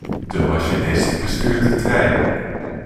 De machinist bestuurt de trein.